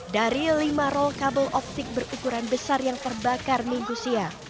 dari lima roll kabel optik berukuran besar yang terbakar minggu siang